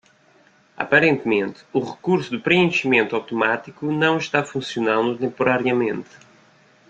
Aparentemente, o recurso de preenchimento automático não está funcionando temporariamente.